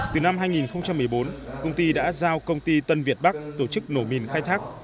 từ năm hai nghìn một mươi bốn công ty đã giao công ty tân việt bắc tổ chức nổ mìn khai thác